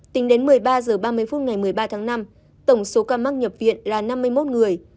tính đến một mươi ba h ba mươi phút ngày một mươi ba tháng năm tổng số ca mắc nhập viện là năm mươi một người